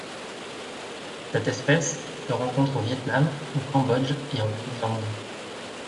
Cette espèce se rencontre au Viêt Nam, au Cambodge et en Thaïlande.